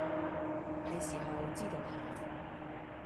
喺時候知道下